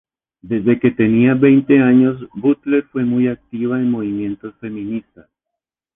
Desde que tenía veinte años, Butler fue muy activa en movimientos feministas.